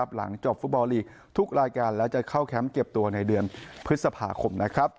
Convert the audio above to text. หลังจบฟุตบอลลีกทุกรายการและจะเข้าแคมป์เก็บตัวในเดือนพฤษภาคม